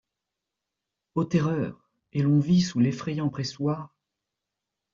O terreur ! et l'on vit, sous l'effrayant pressoir